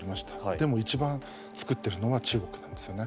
でも、いちばん作ってるのは中国なんですよね。